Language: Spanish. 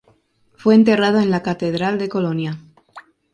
Fue enterrado en la catedral de Colonia.